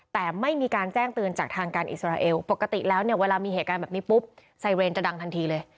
แต่ไม่มีการแจ้งเตือนจากทางการอิสราเอลปกติแล้วเนี่ยเวลามีเหตุการณ์แบบนี้ปุ๊บไซเรนจะดังทันทีเลย